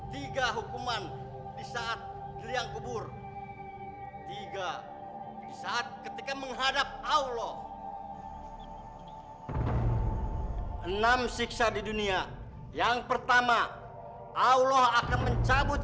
tiga hukuman di saat di liang kubur